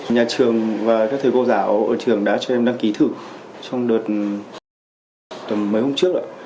nhà trường và các thầy cô giáo ở trường đã cho em đăng ký thử trong đợt tuần mấy hôm trước ạ